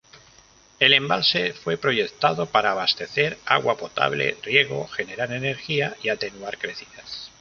El embalse fue proyectado para abastecer agua potable, riego, generar energía y atenuar crecidas.